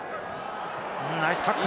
ナイスタックル！